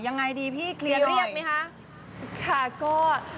ยังไงดีพี่เคลียร์เรียกไหมคะค่ะ